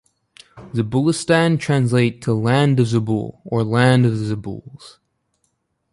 Zabulistan translates to "land of Zabul" or "land of the Zabuls".